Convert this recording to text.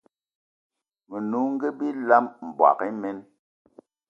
Menungi bilam, mboigi imen